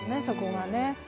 そこがね。